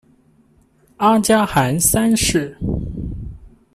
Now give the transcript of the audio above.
阿加汗三世。